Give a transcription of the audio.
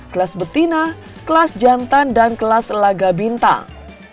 kelas betina kelas jantan dan kelas laga bintang